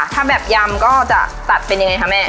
ถ้าแบบยำก็จะตัดเป็นยังไงคะแม่